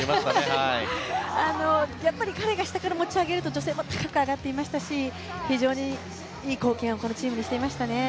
やっぱり彼が下から持ち上げると女性も高く上がっていましたし非常にいい貢献をこのチームにしていましたね。